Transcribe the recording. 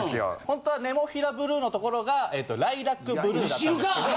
ほんとはネモフィラブルーのところがライラックブルーだったんですけど。